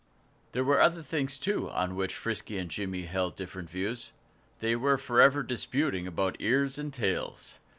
There were other things, too, on which Frisky and Jimmy held different views. They were forever disputing about ears and tails.